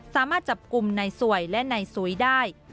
สามารถจับกลุ่มนายสวยและนายสุยได้